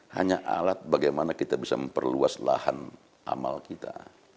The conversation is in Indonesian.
hanya alat bagaimana kita bisa memperluas lahan amal kita